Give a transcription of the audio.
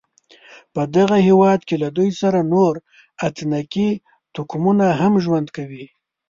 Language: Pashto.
په دغه هېواد کې له دوی سره نور اتنیکي توکمونه هم ژوند کوي.